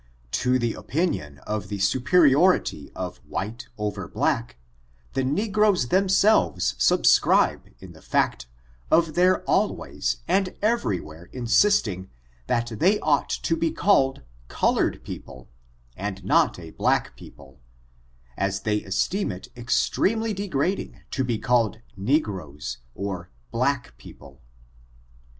To the opinion of the superiority of white over black, the negroes themselves subscribe in the fact of their always and every where insisting that they ought to be calted colored people, and not a black people, as they esteem it extremely degrading t» be called negroes^ or black people.